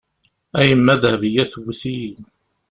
A yemma, Dehbeya tewwet-iyi.